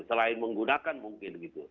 selain menggunakan mungkin gitu